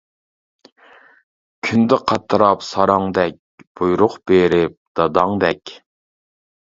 كۈندە قاتراپ ساراڭدەك، بۇيرۇق بېرىپ داداڭدەك.